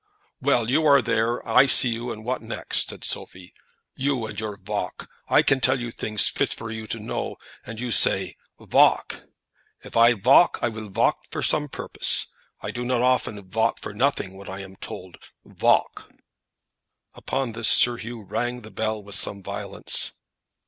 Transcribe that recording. "Well, you are there; I see you; and what next?" said Sophie. "You, and your valk! I can tell you things fit for you to know, and you say, Valk. If I valk, I will valk to some purpose. I do not often valk for nothing when I am told Valk!" Upon this, Sir Hugh rang the bell with some violence.